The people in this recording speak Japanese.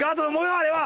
だあれは。